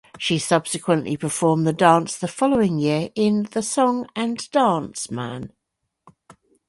She subsequently performed the dance the following year in "The Song and Dance Man".